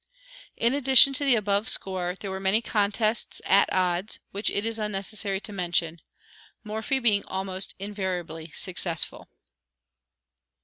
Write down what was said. In addition to the above score there were many contests at odds, which it is unnecessary to mention; Morphy being almost invariably successful.